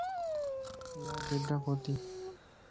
ياجڍ ڪوتي